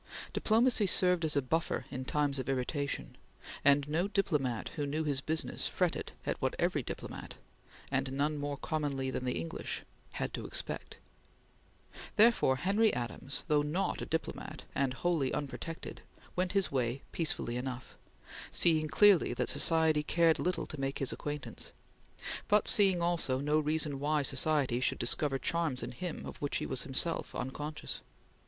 Diplomacy served as a buffer in times of irritation, and no diplomat who knew his business fretted at what every diplomat and none more commonly than the English had to expect; therefore Henry Adams, though not a diplomat and wholly unprotected, went his way peacefully enough, seeing clearly that society cared little to make his acquaintance, but seeing also no reason why society should discover charms in him of which he was himself unconscious.